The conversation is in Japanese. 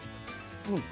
うん。